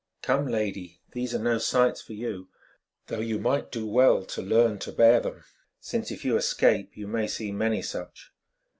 Come, lady, these are no sights for you, though you might do well to learn to bear them, since if you escape you may see many such.